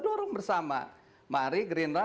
dorong bersama mari gerindra